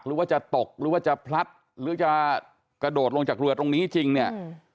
หรือว่าจะตกหรือว่าจะพลัดหรือจะกระโดดลงจากเรือตรงนี้จริงเนี่ย